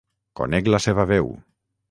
Conec la seva veu.